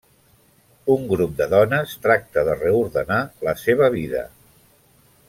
Un grup de dones tracta de reordenar la seva vida.